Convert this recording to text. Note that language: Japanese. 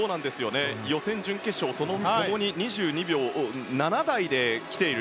予選、準決勝ともに２２秒７台で来ている。